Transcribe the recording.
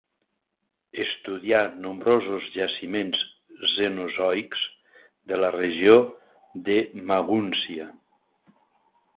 Estudià nombrosos jaciments cenozoics de la regió de Magúncia.